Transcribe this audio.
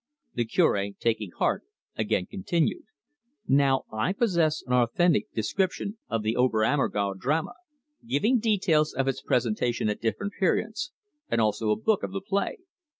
The Cure, taking heart, again continued: "Now I possess an authentic description of the Ober Ammergau drama, giving details of its presentation at different periods, and also a book of the play.